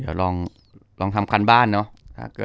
เดี๋ยวลองทำการบ้านเนาะ